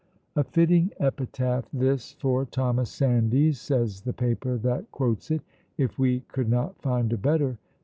'" "A fitting epitaph, this, for Thomas Sandys," says the paper that quotes it, "if we could not find a better.